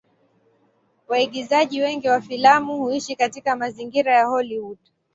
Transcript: Waigizaji wengi wa filamu huishi katika mazingira ya Hollywood.